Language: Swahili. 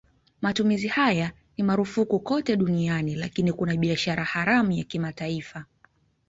Matumizi haya ni marufuku kote duniani lakini kuna biashara haramu ya kimataifa.